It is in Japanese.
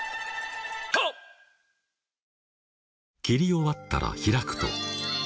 切り終わったら開くと。